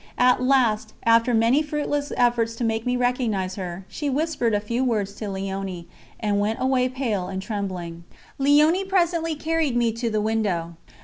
At last, after many fruitless efforts to make me recognise her, she whispered a few words to Léonie, and went away pale and trembling. Léonie presently carried me to the window.